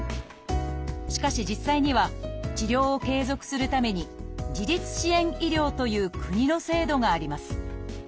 しかし実際には治療を継続するために「自立支援医療」という国の制度があります。